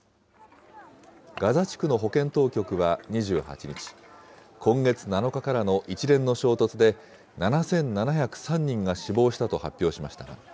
ガザ地区の保健当局は２８日、今月７日からの一連の衝突で、７７０３人が死亡したと発表しました。